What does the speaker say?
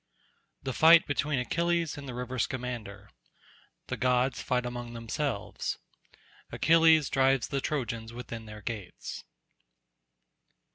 The fight between Achilles and the river Scamander—The gods fight among themselves—Achilles drives the Trojans within their gates.